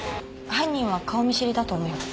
犯人は顔見知りだと思います。